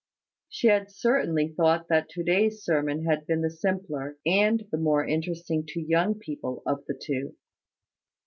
She had certainly thought that to day's sermon had been the simpler, and the more interesting to young people, of the two.